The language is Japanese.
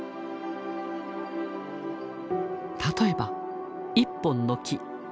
例えば１本の木。